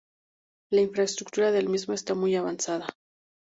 La infraestructura del mismo está muy avanzada.